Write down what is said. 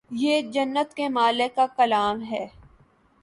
یہ جنت کے مالک کا کلام ہے